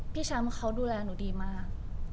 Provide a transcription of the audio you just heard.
พี่แชมป์เขาดูแลหนูดีมาก